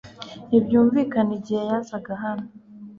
Ntibyumvikana igihe yazaga hano